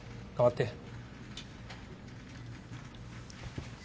代わって。